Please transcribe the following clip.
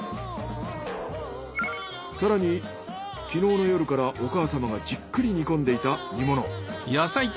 更に昨日の夜からお母様がじっくり煮込んでいた煮物。